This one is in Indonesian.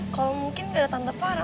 kalo mungkin gak ada tante farah